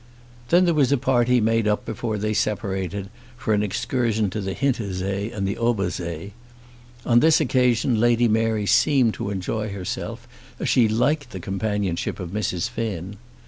Then there was a party made up before they separated for an excursion to the Hintersee and the Obersee. On this occasion Lady Mary seemed to enjoy herself, as she liked the companionship of Mrs. Finn.